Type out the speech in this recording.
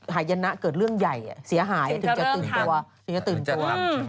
หายนะเกิดเรื่องใหญ่เสียหายถึงจะตื่นตัวถึงจะตื่นตัว